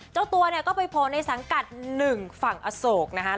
เจ้าตัวเนี่ยก็ไปโผล่ในสังกัด๑ฝั่งอโศกนะฮะ